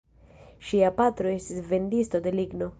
Ŝia patro estis vendisto de ligno.